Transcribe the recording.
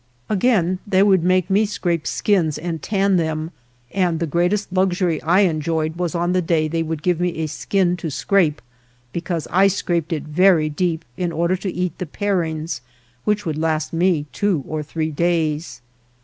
Again, they would make me scrape skins and tan them, and the greatest luxury I en joyed was on the day they would give me a skin to scrape, because I scraped it very deep in order to eat the parings, which would last me two or three days.